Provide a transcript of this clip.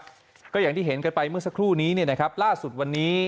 เพราะอย่างที่เห็นไปเมื่อสักครู่นี้ล่าสุดวันนี้